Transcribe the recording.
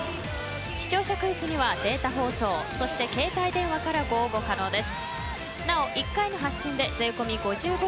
視聴者クイズにはデータ放送そして携帯電話からご応募可能です。